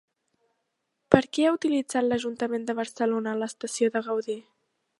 Per què ha utilitzat l'Ajuntament de Barcelona l'estació Gaudí?